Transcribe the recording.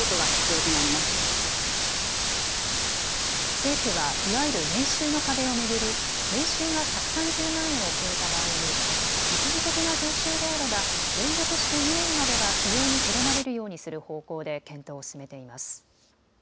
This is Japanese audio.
政府はいわゆる年収の壁を巡り年収が１３０万円を超えた場合に一時的な増収であれば連続して２年までは扶養にとどまれるようにする方向で検討を進めています。